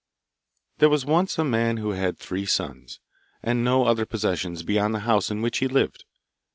There was once a man who had three sons, and no other possessions beyond the house in which he lived.